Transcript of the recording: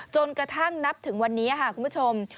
จนกระทั่งนับถึงวันนี้ค่ะคุณผู้ชม